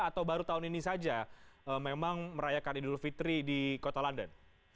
atau baru tahun ini saja memang merayakan idul fitri di kota london